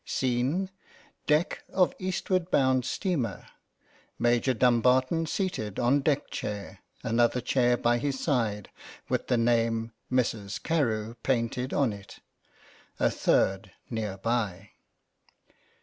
Scene — Deck of eastward bound steamer. Major Dumbarton seated on deck chair, another chair by his side, with the name " Mrs. Carewe " painted on it, a third near by.